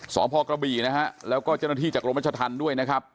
สพกระบี่นะฮะแล้วก็เจ้าหน้าที่จากกรมรัชธรรมด้วยนะครับ